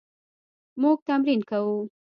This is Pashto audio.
موږ تمرین کوو